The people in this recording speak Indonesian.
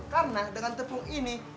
karena dengan tepung ini